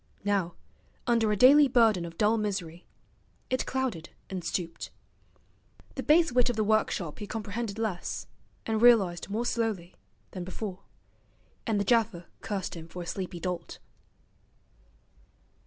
Now, under a daily burden of dull misery, it clouded and stooped. The base wit of the workshop he comprehended less, and realized more slowly, than before; and the gaffer cursed him for a sleepy dolt.